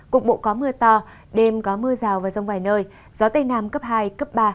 cục bộ có mưa to đêm có mưa rào và rông vài nơi gió tây nam cấp hai cấp ba